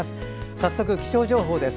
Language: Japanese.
早速、気象情報です。